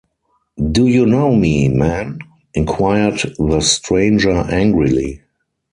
‘Do you know me, man?’ inquired the stranger angrily.